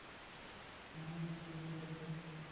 آ ڇو ڪري؟